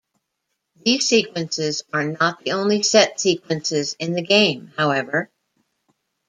These sequences are not the only set sequences in the game, however.